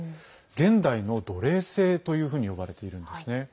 現代の奴隷制というふうに呼ばれているんですね。